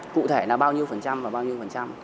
cụ thể là bao nhiêu phần trăm và bao nhiêu phần trăm